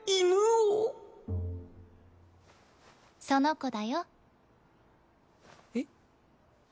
その子だよ。へっ？